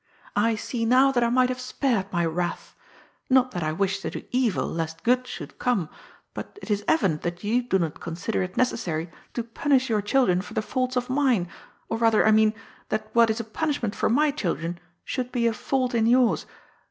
I see now that I might have spared my wrath ; not that I wish to do evil lest good should come, but it is evident that you do not consider it necessary to punish your children for the faults of mine, or rather, I mean, that what is a punishment for my children should be a fault in yours.